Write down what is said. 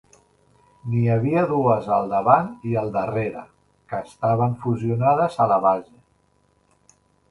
N'hi havia dues al davant i al darrere, que estaven fusionades a la base.